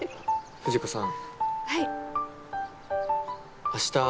藤子さん